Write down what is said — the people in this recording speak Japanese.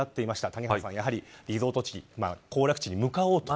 谷原さん、やはりリゾート地、行楽地に向かおうと。